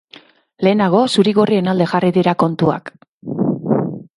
Lehenago, zuri-gorrien alde jarri dira kontuak.